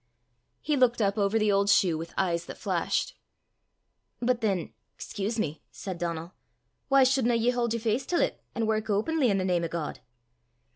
He looked up over the old shoe with eyes that flashed. "But then excuse me," said Donal, " why shouldna ye haud yer face til 't, an' wark openly, i' the name o' God?"